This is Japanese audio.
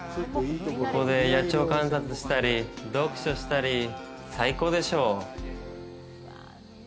ここで野鳥観察したり読書したり、最高でしょう。